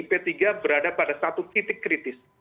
p tiga berada pada satu titik kritis